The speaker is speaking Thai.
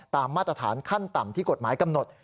มาตรฐานขั้นต่ำที่กฎหมายกำหนด